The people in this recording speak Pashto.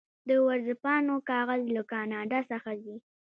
د ورځپاڼو کاغذ له کاناډا څخه ځي.